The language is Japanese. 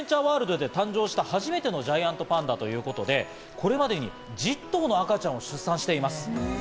この良浜、アドベンチャーワールドで誕生した初めてのジャイアントパンダということで、これまでに１０頭の赤ちゃんを出産しています。